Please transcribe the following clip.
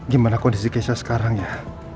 gimana kondisi kesha sekarang ya